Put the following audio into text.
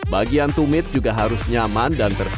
bagian tumit juga harus nyaman dan tersisa